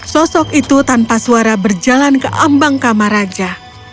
sosok itu tanpa suara berjalan ke ambang kamar raja